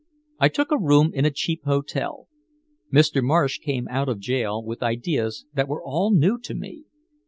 "I took a room in a cheap hotel. Mr. Marsh came out of jail with ideas that were all new to me.